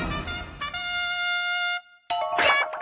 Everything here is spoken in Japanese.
やった！